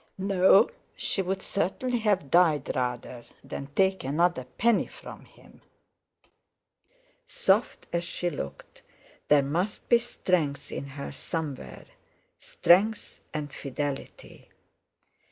No, she would certainly have died rather than take another penny from him. Soft as she looked, there must be strength in her somewhere—strength and fidelity.